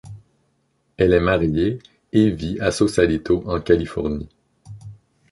Elle est mariée et vit à Sausalito en Californie.